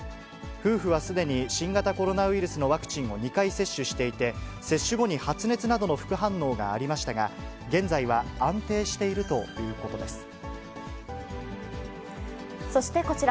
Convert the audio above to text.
夫婦はすでに、新型コロナウイルスのワクチンを２回接種していて、接種後に発熱などの副反応がありましたが、現在は安定しているということでそしてこちら。